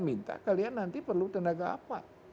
minta kalian nanti perlu tenaga apa